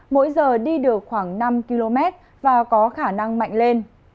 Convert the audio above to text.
mỗi giờ đi được khoảng năm km và có khả năng mạnh lên